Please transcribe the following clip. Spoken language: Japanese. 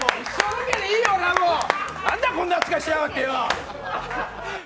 なんだ、こんな扱いしやがってよ！